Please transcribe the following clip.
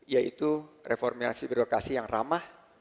yaitu reformasi birokrasi yang ramah